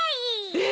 えっ！？